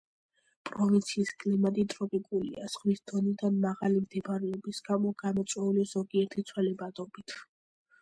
პროვინციის კლიმატი ტროპიკულია, ზღვის დონიდან მაღალი მდებარეობის გამო გამოწვეული ზოგიერთი ცვალებადობით.